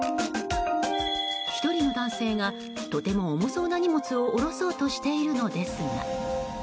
１人の男性がとても重そうな荷物を下ろそうとしているのですが。